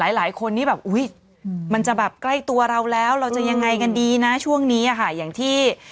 หลายคนนี่แบบอุ๊ยมันจะแบบใกล้ตัวเราแล้วเราจะยังไงกันดีนะช่วงนี้ค่ะอย่างที่